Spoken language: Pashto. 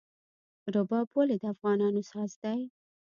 رباب ولې د افغانانو ساز دی؟